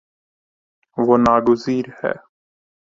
وہ نا گزیر ہے